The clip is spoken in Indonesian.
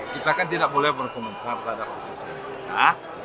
kita kan tidak boleh berkomentar terhadap keputusan kita